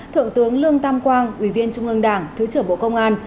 thượng tướng lương tam quang ủy viên trung ương đảng thứ trưởng bộ công an